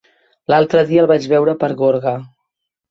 L'altre dia el vaig veure per Gorga.